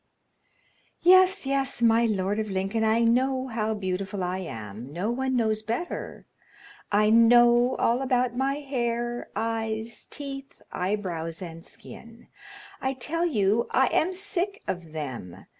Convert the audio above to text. "Yes, yes, my lord of Lincoln, I know how beautiful I am; no one knows better; I know all about my hair, eyes, teeth, eyebrows and skin. I tell you I am sick of them.